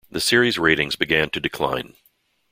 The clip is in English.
The series' ratings began to decline.